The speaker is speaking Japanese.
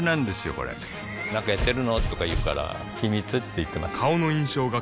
これなんかやってるの？とか言うから秘密って言ってます